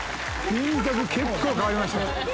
輪郭結構変わりました。